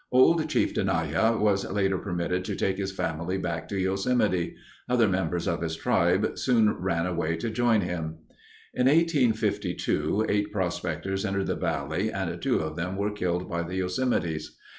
Old Chief Tenaya was later permitted to take his family back to Yosemite. Other members of his tribe soon ran away to join him. In 1852, eight prospectors entered the valley and two of them were killed by the Yosemites.